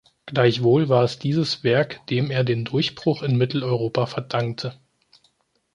Gleichwohl war es dieses Werk, dem er den Durchbruch in Mitteleuropa verdankte.